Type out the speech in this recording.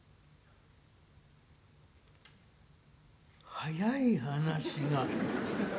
「早い話が」。